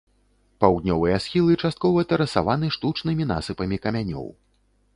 Паўднёвыя схілы часткова тэрасаваны штучнымі насыпамі камянёў.